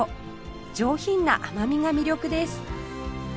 上品な甘みが魅力です